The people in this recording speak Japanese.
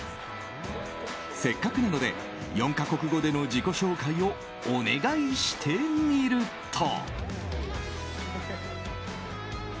せっかくなので、４か国語での自己紹介をお願いしてみると。